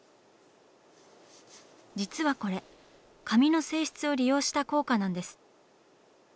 実はこれ紙の性質を利用した効果なんです。